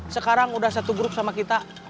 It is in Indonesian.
sekarang udah satu grup sama kita